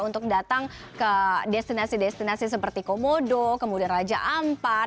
untuk datang ke destinasi destinasi seperti komodo kemudian raja ampat